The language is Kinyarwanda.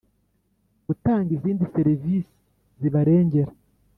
gutanga izindi serivisi zibarengera